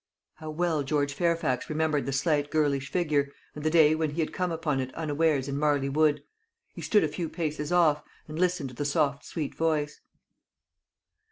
How well George Fairfax remembered the slight girlish figure, and the day when he had come upon it unawares in Marley Wood! He stood a few paces off, and listened to the soft sweet voice.